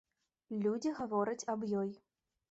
Людзі гавораць аб ёй.